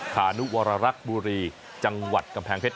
หานุวรรักษ์บุรีจังหวัดกำแพงเพชร